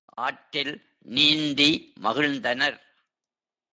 ஆற்றில் நீந்தி மகிழ்ந்தனர்.